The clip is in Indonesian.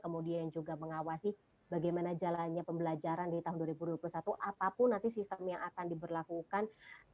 kemudian juga mengawasi bagaimana jalannya pembelajaran di tahun dua ribu dua puluh satu apapun nanti sistem yang akan diberlakukan